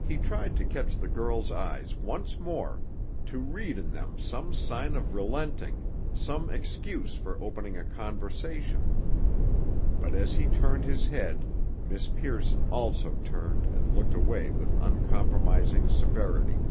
He tried to catch the girl's eyes once more, to read in them some sign of relenting, some excuse for opening a conversation. But as he turned his head Miss Pearson also turned and looked away with uncompromising severity.